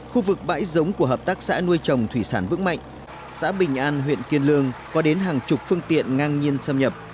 khu vực bãi giống của hợp tác xã nuôi trồng thủy sản vững mạnh xã bình an huyện kiên lương có đến hàng chục phương tiện ngang nhiên xâm nhập